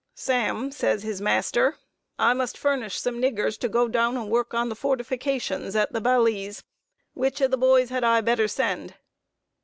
"Sam," said his master, "I must furnish some niggers to go down and work on the fortifications at the Balize. Which of the boys had I better send?"